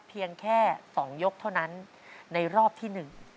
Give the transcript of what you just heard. เพียงแค่๒ยกเท่านั้นในรอบที่๑